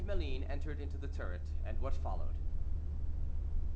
MALINE ENTERED INTO THE TURRET, AND WHAT FOLLOWED.